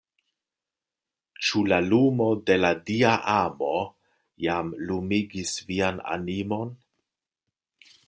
Ĉu la lumo de la Dia amo jam lumigis vian animon?